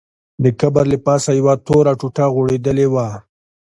د قبر له پاسه یوه توره ټوټه غوړېدلې وه.